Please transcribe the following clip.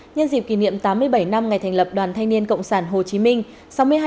nhân dịp kỷ niệm tám mươi bảy năm ngày thành lập đoàn thanh niên cộng sản hồ chí minh